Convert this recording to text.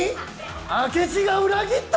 明智が裏切った！？